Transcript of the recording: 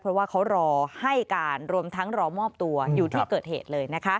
เพราะว่าเขารอให้การรวมทั้งรอมอบตัวอยู่ที่เกิดเหตุเลยนะคะ